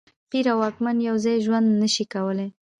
پیر او واکمن یو ځای ژوند نه شي کولای.